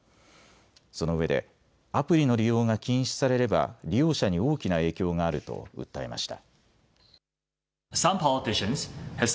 そのうえでアプリの利用が禁止されれば利用者に大きな影響があると訴えました。